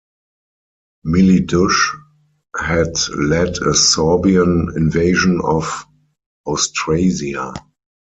Miliduch had led a Sorbian invasion of Austrasia.